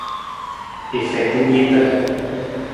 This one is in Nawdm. I feta niita.